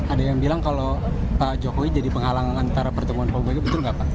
ada yang bilang kalau pak jokowi jadi penghalang antara pertemuan pak mega betul nggak pak